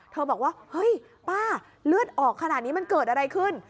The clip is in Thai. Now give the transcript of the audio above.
บอกว่าเฮ้ยป้าเลือดออกขนาดนี้มันเกิดอะไรขึ้น